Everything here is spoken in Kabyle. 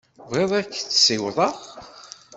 Tebɣiḍ ad k-ssiwḍeɣ?